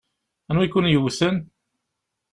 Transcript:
Anwi i ken-yewwten?